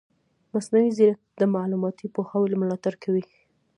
مصنوعي ځیرکتیا د معلوماتي پوهاوي ملاتړ کوي.